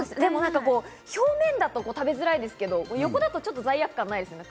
表面だと食べづらいですけど横だと罪悪感ないですね。